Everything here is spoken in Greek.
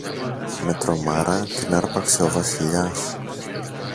Με τρομάρα την άρπαξε ο Βασιλιάς.